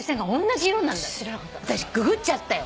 私ググっちゃったよ。